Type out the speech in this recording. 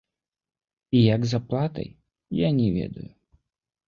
І як з аплатай, я не ведаю.